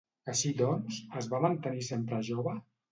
Així doncs, es va mantenir sempre jove?